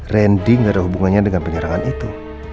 randy tidak ada hubungannya dengan penyerangan itu